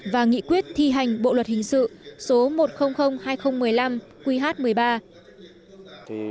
và nghị quyết thi hành bộ luật hình sự số một trăm linh hai nghìn một mươi năm qh một mươi ba